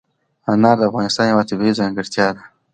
انار د افغانستان یوه طبیعي ځانګړتیا ده.